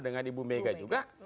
dengan ibu mega juga